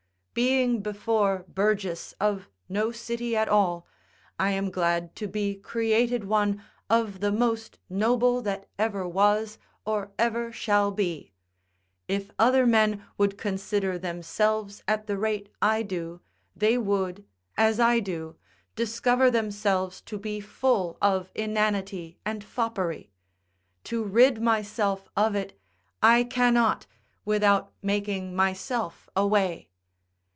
Being before burgess of no city at all, I am glad to be created one of the most noble that ever was or ever shall be. If other men would consider themselves at the rate I do, they would, as I do, discover themselves to be full of inanity and foppery; to rid myself of it, I cannot, without making myself away.